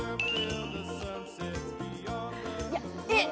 いやえっ！？